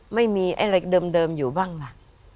ไม่มีอะไรเดิมอยู่บ้างล่ะ